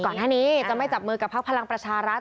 ก่อนหน้านี้จะไม่จับมือกับพักพลังประชารัฐ